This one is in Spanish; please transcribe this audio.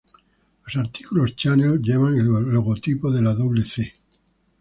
Los artículos Chanel llevan el logotipo de la doble "C".